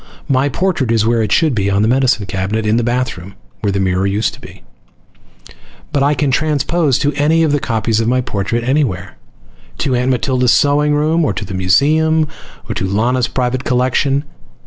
My portrait is where it should be on the medicine cabinet in the bathroom, where the mirror used to be. But I can transpose to any of the copies of my portrait, anywhere. To Aunt Matilda's sewing room, or to the museum, or to Lana's private collection.